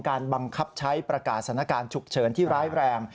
การบำคับใช้ประกาศนาการฉุกเฉินที่ร้ายแรม